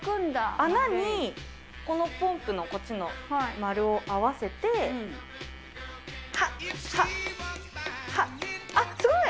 穴に、このポンプのこっちの丸を合わせて、はっ、はっ、はっ。